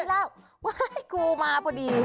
แล้วไอ้ครูมาพอดี